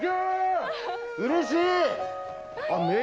うれしい！